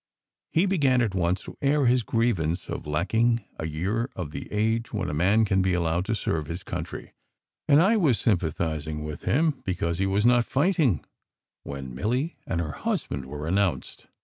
He began at once to air his griev ance of lacking a year of the age when a man can be al lowed to serve his country; and I was sympathizing with him because he was not fighting when Milly and her hus band were announced.